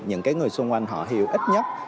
những cái người xung quanh họ hiểu ít nhất